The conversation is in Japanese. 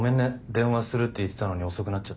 電話するって言ってたのに遅くなっちゃって。